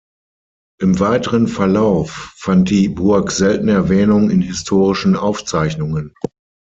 Im weiteren Verlauf fand die Burg selten Erwähnung in historischen Aufzeichnungen.